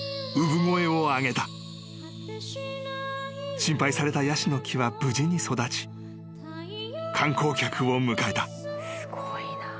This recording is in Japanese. ［心配されたヤシの木は無事に育ち観光客を迎えた］